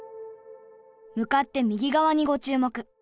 向かって右側にご注目。